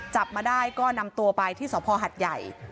จับมาได้ก็นำตัวไปที่สภหัดใหญ่